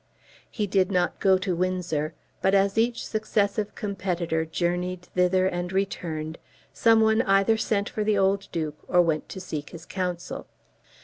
He did not go to Windsor, but as each successive competitor journeyed thither and returned, some one either sent for the old Duke or went to seek his counsel.